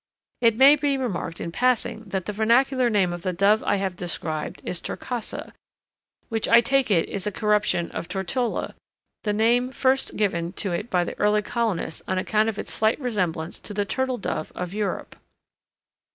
It may be remarked in passing that the vernacular name of the dove I have described is Torcasa, which I take it is a corruption of Tortola, the name first given to it by the early colonists on account of its slight resemblance to the turtle dove of Europe.